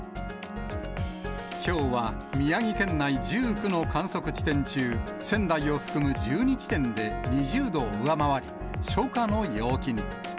きょうは宮城県内１９の観測地点中、仙台を含む１２地点で２０度を上回り、初夏の陽気に。